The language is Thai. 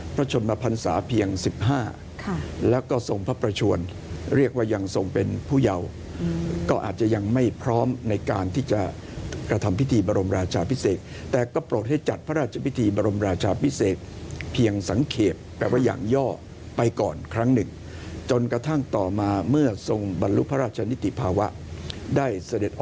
ชมพันศาเพียง๑๕แล้วก็ทรงพระประชวนเรียกว่ายังทรงเป็นผู้เยาก็อาจจะยังไม่พร้อมในการที่จะกระทำพิธีบรมราชาพิเศษแต่ก็โปรดให้จัดพระราชพิธีบรมราชาพิเศษเพียงสังเกตแปลว่าอย่างย่อไปก่อนครั้งหนึ่งจนกระทั่งต่อมาเมื่อทรงบรรลุพระราชนิติภาวะได้เสด็จ